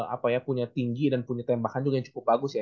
apa ya punya tinggi dan punya tembakan juga yang cukup bagus ya